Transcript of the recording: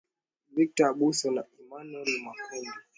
victor abuso na emanuel makundi